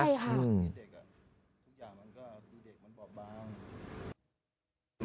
ใช่ค่ะ